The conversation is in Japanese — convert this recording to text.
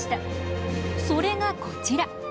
それがこちら。